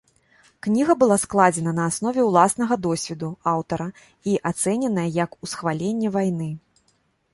Кніга была складзена на аснове ўласнага досведу аўтара і ацэненая як усхваленне вайны.